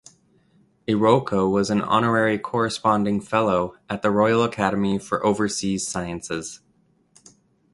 Iroko was an Honorary Corresponding Fellow at the Royal Academy for Overseas Sciences.